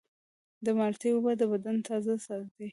د مالټې اوبه د بدن تازه ساتي.